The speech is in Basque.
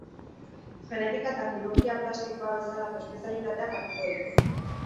Genetika eta kirurgia plastikoa bezalako espezialitateak hartuko ditu.